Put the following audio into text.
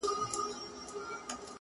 ښخ کړﺉ هدیره کي ما د هغو مېړنو تر څنګ,